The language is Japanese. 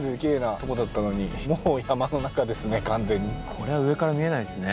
これは上から見えないですね